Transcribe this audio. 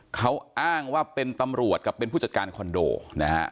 เขาอ้างว่าเป็นตำรวจกับเป็นผู้จัดการคอนโดนะฮะ